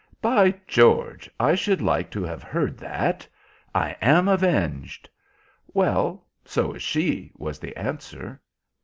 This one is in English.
"By George, I should like to have heard that! I am avenged!" "Well, so is she," was the answer.